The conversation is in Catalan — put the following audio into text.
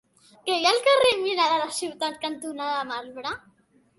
Què hi ha al carrer Mina de la Ciutat cantonada Marbre?